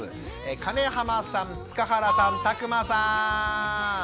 金濱さん塚原さん田熊さん！